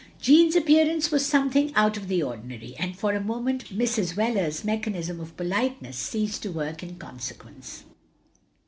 Jeanne's appearance was something out of the ordinary, and for a moment Mrs. Wheler's mechanism of politeness ceased to work in consequence.